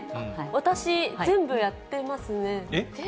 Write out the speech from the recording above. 私、全部やってますね。